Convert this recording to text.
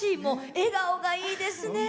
笑顔がいいですね。